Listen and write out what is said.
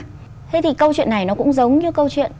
thế thì câu chuyện này nó cũng giống như câu chuyện